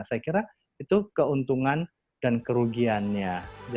saya kira itu keuntungan dan kerugiannya